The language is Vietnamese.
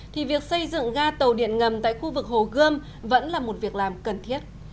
thì việc xây dựng ga tàu điện ngầm tại khu vực hồ gươm vẫn là một việc làm cần thiết